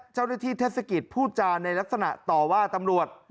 เจ้าเรื่องที่เทศกิตพูดจานในลักษณะต่อว่าตำรวจ